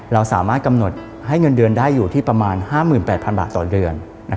เราสามารถกำหนดให้เงินเดือนได้อยู่ที่ประมาณ๕๘๐๐บาทต่อเดือน